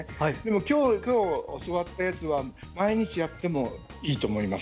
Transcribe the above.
今日教わったやつは毎日やってもいいと思います。